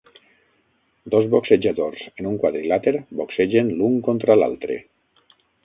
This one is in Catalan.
Dos boxejadors en un quadrilàter boxegen l'un contra l'altre.